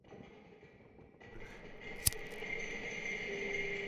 加里宁格勒州的气候已由海洋性气候向温带大陆性气候逐渐过渡。